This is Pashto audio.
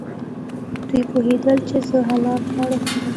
دوی پوهېدل چې زه حلال خواړه خورم.